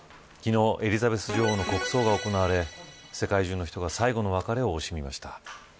昨日、エリザベス女王の国葬が行われ世界中の人が最後の別れを惜しみました。